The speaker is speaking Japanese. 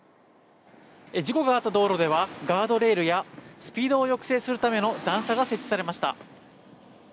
事故があった道路では、ガードレールやスピードを抑制するための段差が設置されました。